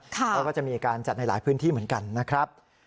เขาก็จะมีการจัดในหลายพื้นที่เหมือนกันนะครับ